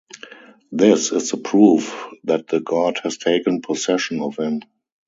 This is the proof that the god has taken possession of him.